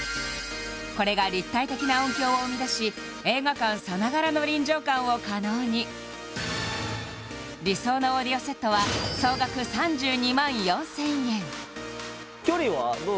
これが立体的な音響を生み出し映画館さながらの臨場感を可能に理想のオーディオセットは総額３２万４０００円距離